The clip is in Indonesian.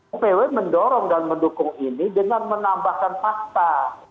ipw mendorong dan mendukung ini dengan menambahkan fakta